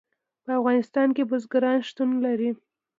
په افغانستان کې بزګان شتون لري.